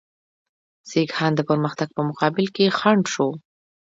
سیکهان د پرمختګ په مقابل کې خنډ شو.